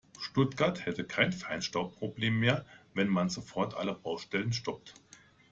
Stuttgart hätte kein Feinstaubproblem mehr, wenn man sofort alle Baustellen stoppt.